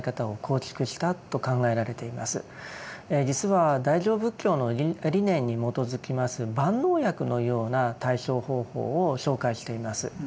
実は大乗仏教の理念に基づきます万能薬のような対処方法を紹介しています。